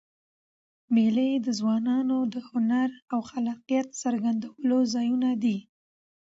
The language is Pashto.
مېلې د ځوانانو د هنر او خلاقیت څرګندولو ځایونه دي.